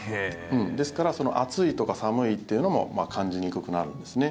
ですから暑いとか寒いというのも感じにくくなるんですね。